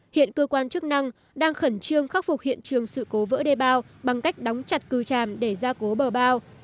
hiện cơ quan chức năng đang khẩn trương khắc phục hiện trường sự cố vỡ đê bao bằng cách đóng chặt cư chàm để ra cố bờ bao